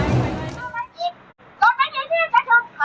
แค่ให้เราไปเท่าที่เอกทนเราทำไม่ได้หรอกค่ะ